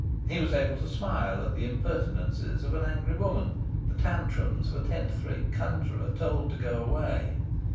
He was able to smile at the impertinences of an angry woman, the tantrums of a tenth rate conjurer told to go away.